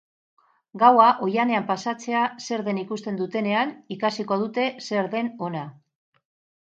Gaua oihanean pasatzea zer den ikusten dutenean ikasiko dute zer den ona.